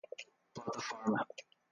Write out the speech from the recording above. plataforma